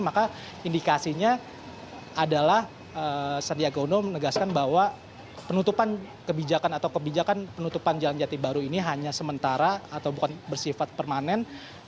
maka indikasinya adalah sandiaga uno menegaskan bahwa penutupan kebijakan atau kebijakan penutupan jalan jati baru ini hanya sementara atau bukan bersifat permanen